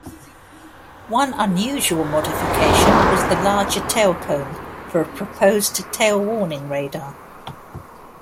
One unusual modification was the larger tailcone for a proposed tail-warning radar.